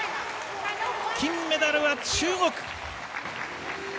金メダルは中国！